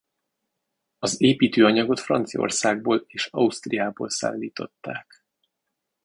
Az építőanyagot Franciaországból és Ausztriából szállították.